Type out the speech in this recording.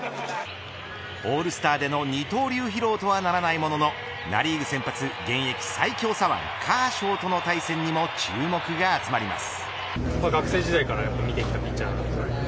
オールスターでの二刀流披露とはならないもののナ・リーグ先発、現役最強左腕カーショーとの対戦にも注目が集まります。